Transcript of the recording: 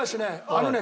あのね